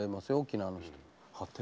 沖縄の人。